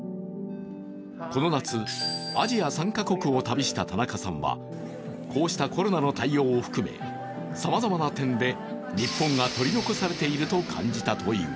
この夏、アジア３か国を旅したタナカさんはこうしたコロナの対応を含め、さまざまな点で日本が取り残されていると感じたという。